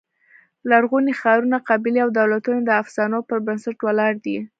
لرغوني ښارونه، قبیلې او دولتونه د افسانو پر بنسټ ولاړ دي.